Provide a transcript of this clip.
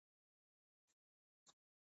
انګلیسي لهجه باید نه واورېدل سي.